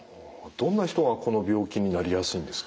どんな人がこの病気になりやすいんですか？